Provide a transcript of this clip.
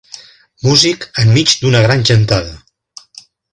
Músic enmig d'una gran gentada.